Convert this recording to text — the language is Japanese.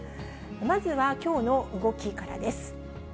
まずはきょうの動きからです。